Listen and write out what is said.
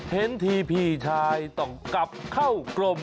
เห็นทีพี่ชายต้องกลับเข้ากรม